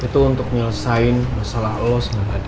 itu untuk nyelesain masalah lo sama adi